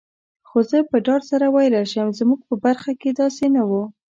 خو زه په ډاډ سره ویلای شم، زموږ په برخه کي داسي نه وو.